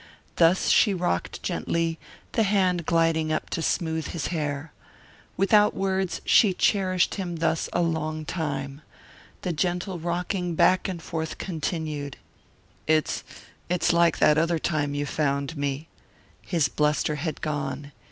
Thus she rocked gently, the hand gliding up to smooth his hair. Without words she cherished him thus a long time. The gentle rocking back and forth continued. "It's it's like that other time you found me " His bluster had gone.